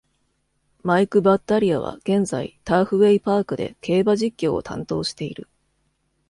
マイク・バッタリアは現在、ターフウェイ・パークで競馬実況を担当している。